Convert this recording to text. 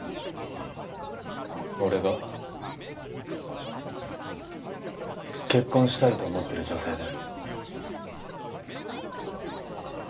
俺が結婚したいと思ってる女性です